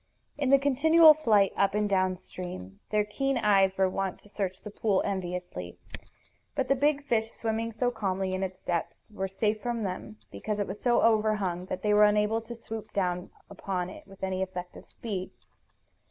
In the continual flight up and downstream their keen eyes were wont to search the pool enviously. But the big fish swimming so calmly in its depths were safe from them, because it was so overhung that they were unable to swoop down upon it with any effective speed.